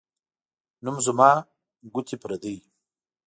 نوم زما ، گوتي پردۍ.